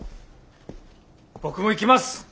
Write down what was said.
僕も行きます！